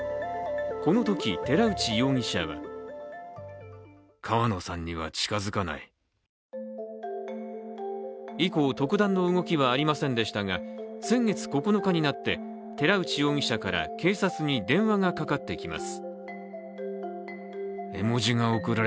このとき、寺内容疑者は以降、特段の動きはありませんでしたが、先月９日になって、寺内容疑者から警察に電話がかかってきます。